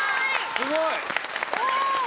すごい！